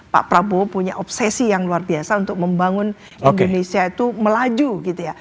pak prabowo punya obsesi yang luar biasa untuk membangun indonesia itu melaju gitu ya